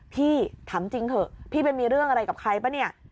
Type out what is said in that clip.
พี่ถามจริงเถอะพี่ไปมีเรื่องอะไรกับใครป่ะเนี่ย